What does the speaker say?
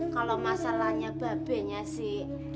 kalau masalahnya babenya sih